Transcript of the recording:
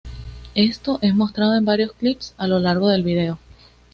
Esto es mostrado en varios clips a lo largo del vídeo.